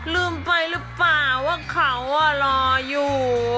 ลืมไปรึเปล่าว่าเขาอ่ะรออยู่